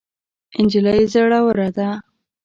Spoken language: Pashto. نجلۍ زړوره ده.